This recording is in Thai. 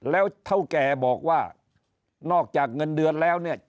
แล้วเท่าแก่บอกว่านอกจากเงินเดือนแล้วเนี่ย